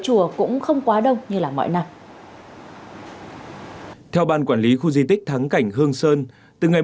chùa cũng không quá đông như là mọi năm theo ban quản lý khu di tích thắng cảnh hương sơn từ ngày